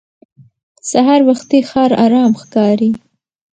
سهار وختي ښار ارام ښکاري